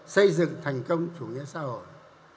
xây dựng thành công chủ nghĩa xã hội